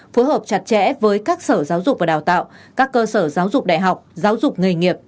phối hợp chặt chẽ với các sở giáo dục và đào tạo các cơ sở giáo dục đại học giáo dục nghề nghiệp